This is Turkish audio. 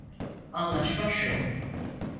Anlaşma şu: